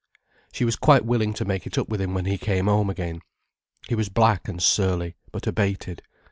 She was quite willing to make it up with him when he came home again. He was black and surly, but abated.